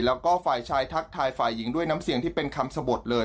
แล้วก็ฝ่ายชายทักทายฝ่ายหญิงด้วยน้ำเสียงที่เป็นคำสะบดเลย